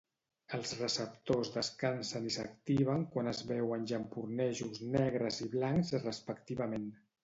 Els receptors descansen i s'activen quan es veuen llampurnejos negres i blancs respectivament.